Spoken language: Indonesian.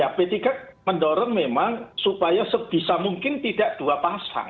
ya p tiga mendorong memang supaya sebisa mungkin tidak dua pasang